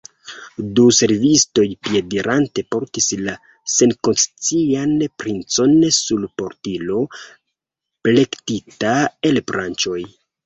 Du servistoj piedirante portis la senkonscian princon sur portilo, plektita el branĉoj.